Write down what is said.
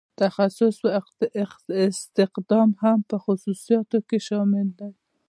تخصیص او استخدام هم په خصوصیاتو کې شامل دي.